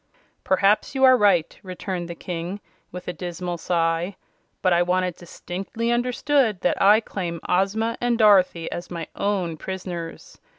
"Perhaps you are right," returned the King, with a dismal sigh. "But I want it distinctly understood that I claim Ozma and Dorothy as my own prisoners.